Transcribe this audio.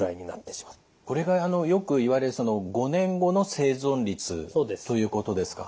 これがよく言われる５年後の生存率ということですか。